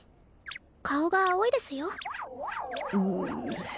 顔が青いですようっ